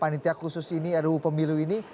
panitia khusus ini ruu pemilu ini